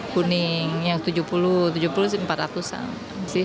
kuning yang tujuh puluh tujuh puluh sih empat ratus